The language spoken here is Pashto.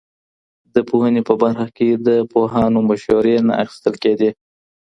د پوهنې په برخه کي د پوهانو مسورې نه اخیستل کيدې.